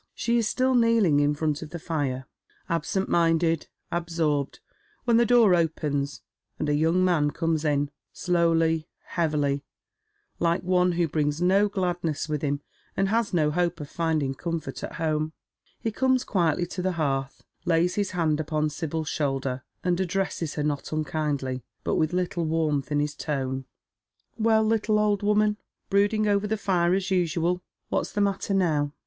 She is still kneeUng in front of the fire, absent minded, absorbed, when the door opens, and a young man comes in, slowly, heavily, like one who brings no gladness with him, and has no hope of finding tomfort at home. He comes quietly to the hearth, lays his hand upon Sibyl's shoulder, and addresses her not unkindly, but with little warmth in his tone. " Well, little old woman, brooding over the fire as usual ? What's the matter now